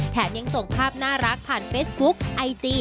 ยังส่งภาพน่ารักผ่านเฟซบุ๊คไอจี